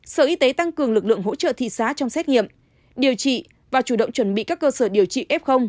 sở y tế tăng cường lực lượng hỗ trợ thị xá trong xét nghiệm điều trị và chủ động chuẩn bị các cơ sở điều trị f